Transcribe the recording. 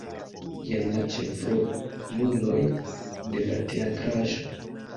Jen la ĉefroluloj de la teatraĵo.